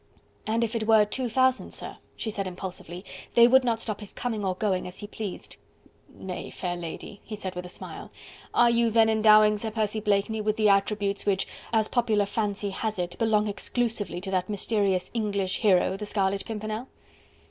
"And if there were two thousand, sir," she said impulsively, "they would not stop his coming or going as he pleased." "Nay, fair lady," he said, with a smile, "are you then endowing Sir Percy Blakeney with the attributes which, as popular fancy has it, belong exclusively to that mysterious English hero, the Scarlet Pimpernel?"